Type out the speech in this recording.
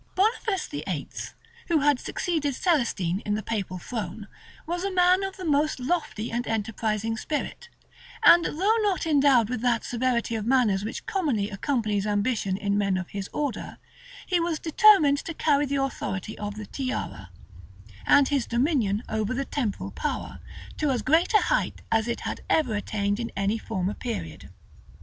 * Homing, vol. i. p. 72, 73, 74. Rymer, vol. ii. p. 761. Walsing, p. 68. Boniface VIII., who had succeeded Celestine in the papal throne, was a man of the most lofty and enterprising spirit; and though not endowed with that severity of manners which commonly accompanies ambition in men of his order, he was determined to carry the authority of the tiara, and his dominion over the temporal power, to as great a height as it had ever attained in any former period.